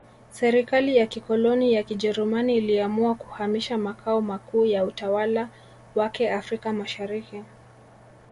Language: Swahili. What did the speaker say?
Serikali ya kikoloni ya Kijerumani iliamua kuhamisha makao makuu ya utawala wake Afrika Mashariki